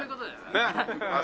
ねっ。